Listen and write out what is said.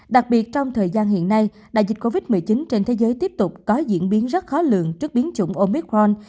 đặc biệt trong thời gian hiện nay đại dịch covid một mươi chín trên thế giới tiếp tục có diễn biến rất khó lường trước biến chủng omicron